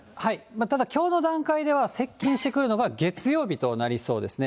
ただ、きょうの段階では接近してくるのが月曜日となりそうですね。